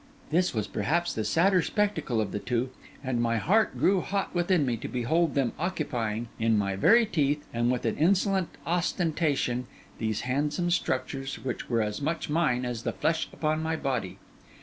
This was perhaps the sadder spectacle of the two; and my heart grew hot within me to behold them occupying, in my very teeth, and with an insolent ostentation, these handsome structures which were as much mine as the flesh upon my body.